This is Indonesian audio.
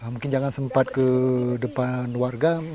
mungkin jangan sempat ke depan warga